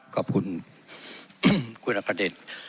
ขอบคุณคุณอัพพระเด็น